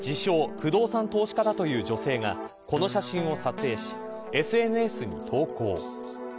不動産投資家だという女性がこの写真を撮影しＳＮＳに投稿。